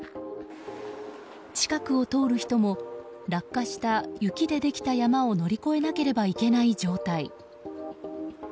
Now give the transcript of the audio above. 近くを通る人も落下した雪でできた山を乗り越えなければいけない状態。